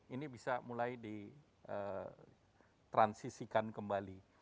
ini bisa mulai di transisikan kembali